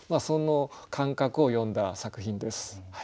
その感覚を詠んだ作品です。